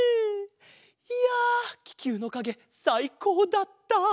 いやききゅうのかげさいこうだった。